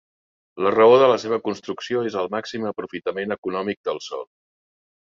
La raó de la seva construcció és el màxim aprofitament econòmic del sòl.